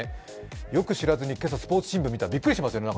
よく知らずに、今朝スポーツ新聞見たら、びっくりしますよね。